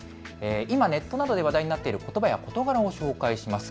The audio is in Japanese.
今、ネットなどで話題になっていることばや事柄を紹介します。